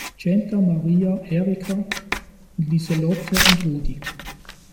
Centa, Maria, Erika und Liselotte und Rudi.